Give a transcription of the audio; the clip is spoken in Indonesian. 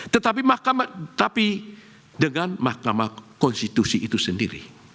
tetapi dengan makam konstitusi